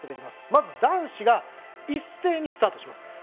まず男子が一斉にスタートします。